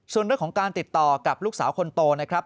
ส่วนเรื่องของการติดต่อกับลูกสาวคนโตนะครับ